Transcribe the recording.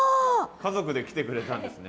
家族で来てくれたんですね。